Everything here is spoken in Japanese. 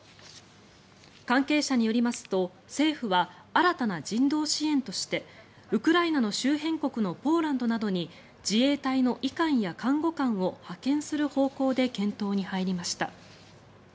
関係者によりますと政府は新たな人道支援としてウクライナの周辺国のポーランドなどに自衛隊の医官や医官や看護官を派遣する方向で検討に入りました。